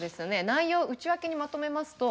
内容を内訳にまとめますと。